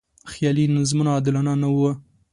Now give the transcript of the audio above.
خیالي نظمونه عادلانه نه و.